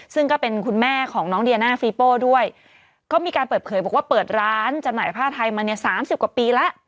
ซึ่งก็เป็นคุณแม่ของน้องเดียน่าฟีโป้ด้วยก็มีการเปิดเผยบอกว่าเปิดร้านจำหน่ายผ้าไทยมาเนี่ยสามสิบกว่าปีแล้ว